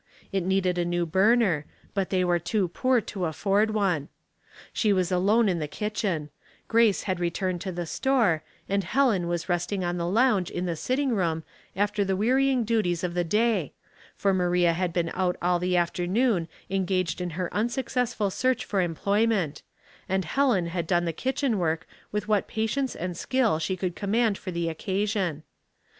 It needed a new burner, but they were too poor to afford one. She was alone in the kitchen ; Grace had returned to the store, and Helen was resting on the lounge in the sitting room after the wearying duties of the day, for Maria had been out all the afternoon en gaged in her unsuccessful search for employment, and Plelen had done the kitchen work with what patience and skill she could command for the occasion.